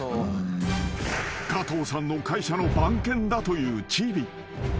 ［カトウさんの会社の番犬だというチビ］